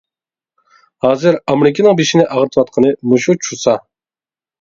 ھازىر ئامېرىكىنىڭ بېشىنى ئاغرىتىۋاتقىنى مۇشۇ چۇسا.